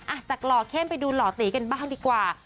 จากหล่อเข้มไปดูหล่อตีกันบ้างดีกว่า